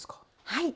はい。